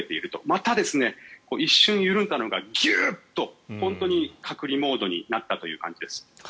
また、一瞬緩んだのがギュッと本当に隔離モードになったという感じです。